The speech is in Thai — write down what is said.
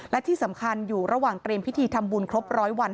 และที่สำคัญอยู่ระหว่างเตรียมพิธีทำบุญครบร้อยวัน